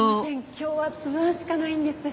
今日は粒あんしかないんです。